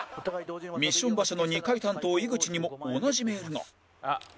ミッション場所の２階担当井口にも同じメールが